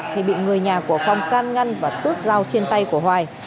thì bị người nhà của phong can ngăn và tước dao trên tay của hoài